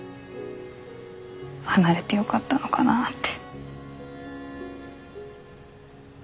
離れてよかったのかなって。